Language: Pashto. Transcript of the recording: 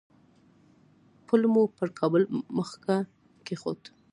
پل مو پر کابل مځکه کېښود.